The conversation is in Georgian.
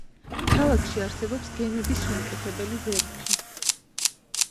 ქალაქში არსებობს გემების შემკეთებელი ვერფი.